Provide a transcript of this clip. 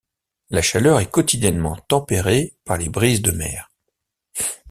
La chaleur est quotidiennement tempérée par les brises de mer.